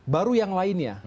baru yang lainnya